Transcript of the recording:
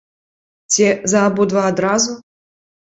Ці за абодва адразу?